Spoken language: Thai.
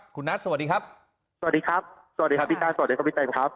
คุณนัทสวัสดีครับสวัสดีครับสวัสดีครับพี่นัทสวัสดีครับพี่เต็มครับ